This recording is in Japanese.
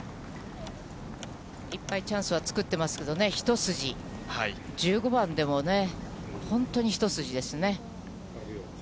いっぱいチャンスは作ってますけどね、一筋、１５番でもね、本当に一筋ですね。